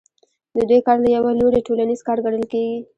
د دوی کار له یوه لوري ټولنیز کار ګڼل کېږي